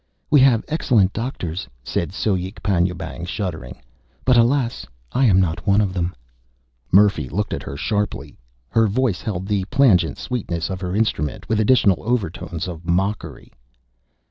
"We have excellent doctors," said Soek Panjoebang shuddering, "but alas! I am not one of them." Murphy looked at her sharply. Her voice held the plangent sweetness of her instrument, with additional overtones of mockery.